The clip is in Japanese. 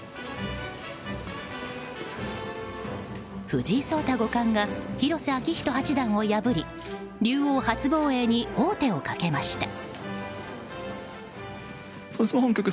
藤井聡太五冠が広瀬八段を破り竜王初防衛に王手をかけました。